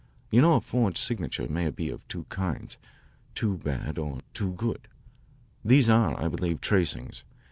You know a forged signature may be of two kinds too bad or too good. These are, I believe, tracings.